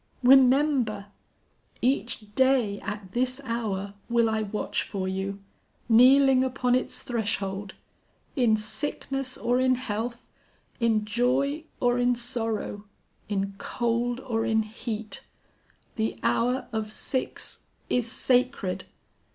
Remember! Each day at this hour will I watch for you, kneeling upon its threshold. In sickness or in health, in joy or in sorrow, in cold or in heat. The hour of six is sacred.